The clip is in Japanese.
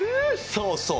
そうそう。